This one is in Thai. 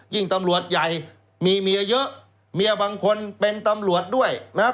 ตำรวจใหญ่มีเมียเยอะเมียบางคนเป็นตำรวจด้วยนะครับ